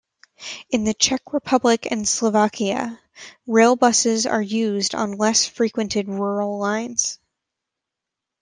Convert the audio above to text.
In the Czech Republic and Slovakia, railbuses are used on less frequented rural lines.